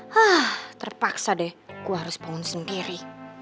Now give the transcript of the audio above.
hah terpaksa deh gue harus bangun sendiri